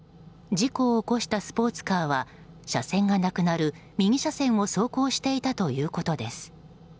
事故を起こしたスポーツカーは車線がなくなる右車線を走行していたということです。